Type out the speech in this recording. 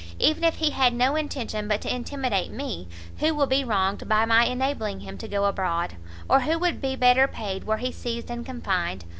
even if he had no intention but to intimidate me, who will be wronged by my enabling him to go abroad, or who would be better paid were he seized and confined?